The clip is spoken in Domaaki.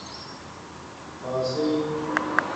پاسئئ